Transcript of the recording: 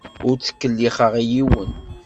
Ur ttkellixeɣ i yiwen.